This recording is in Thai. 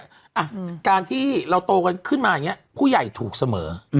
อ่ะการที่เราโตกันขึ้นมาอย่างนี้ผู้ใหญ่ถูกเสมอ